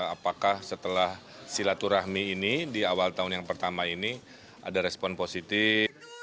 apakah setelah silaturahmi ini di awal tahun yang pertama ini ada respon positif